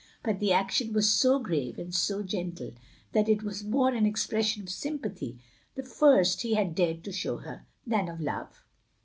But the action was so grave and so gentle that it was more an expression of sympathy — ^the first he had dared to show her — ^than of love.